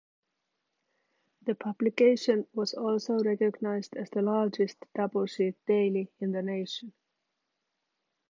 The publication was also recognized as the largest double-sheet daily in the nation.